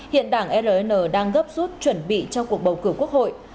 hiện đảng rn đang gấp rút chuẩn bị cho cuộc bầu cử quốc hội